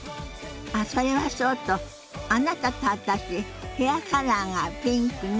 あっそれはそうとあなたと私ヘアカラーがピンクね。